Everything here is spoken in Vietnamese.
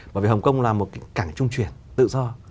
bởi vì hồng kông là một cảng trung chuyển tự do